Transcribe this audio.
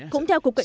cũng theo cục quyền